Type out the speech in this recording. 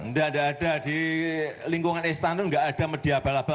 enggak enggak ada di lingkungan istana itu enggak ada media abal abal